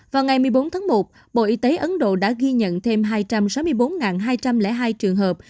vào ngày một mươi bốn tháng một bộ y tế ấn độ đã ghi nhận thêm hai trăm sáu mươi bốn hai trăm linh hai trường hợp